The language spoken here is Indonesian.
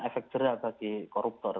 dan efek cerah bagi koruptor